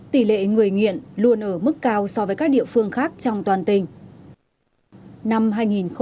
tỷ lệ người nghiện luôn ở mức cao so với các địa phương khác trong toàn tỉnh